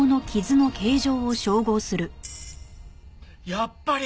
やっぱり！